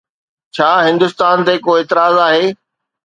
ڇا هندو رياست تي ڪو اعتراض آهي؟